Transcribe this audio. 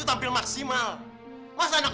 tepuk tangan dong